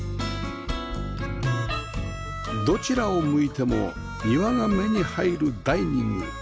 どちらを向いても庭が目に入るダイニング